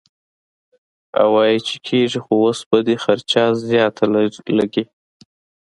او وائي چې کيږي خو اوس به دې خرچه زياته لګي -